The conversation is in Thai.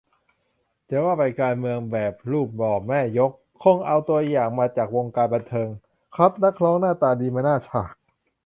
จะว่าไป การเมืองแบบรูปหล่อแม่ยก คงเอาตัวอย่างมาจากวงการบันเทิง คัดนักร้องหน้าตาดีมาหน้าฉาก